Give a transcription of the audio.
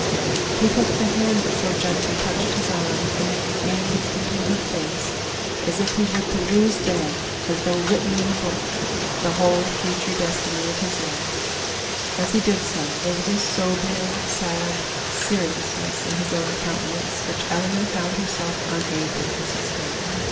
He took the hand that had so gently touched his arm, and then gazed into her face as if he would peruse there, as though written in a book, the whole future destiny of his life; and as he did so, there was a sober and seriousness in his own countenance, which Eleanor found herself unable to sustain.